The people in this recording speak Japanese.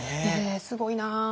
すごいな。